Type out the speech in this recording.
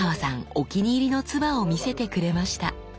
お気に入りの鐔を見せてくれました。